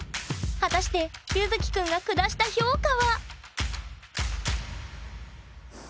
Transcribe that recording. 果たしてゆずきくんが下した評価は？